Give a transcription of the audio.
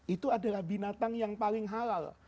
itu adalah binatang yang paling halal